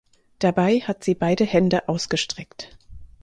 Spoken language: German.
Dabei hat sie beide Hände ausgestreckt.